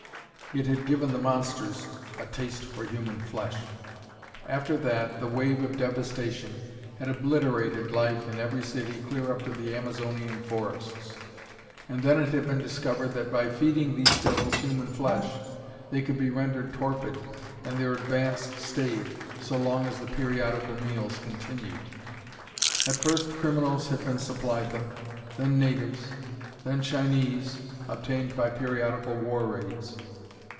It had given the monsters a taste for human flesh! After that, the wave of devastation had obliterated life in every city clear up to the Amazonian forests. And then it had been discovered that, by feeding these devils human flesh, they could be rendered torpid and their advance stayed so long as the periodical meals continued! At first criminals had been supplied them, then natives, then Chinese, obtained by periodical war raids.